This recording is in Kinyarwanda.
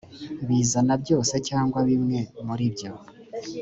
bizane byose cyangwa kimwe muri byo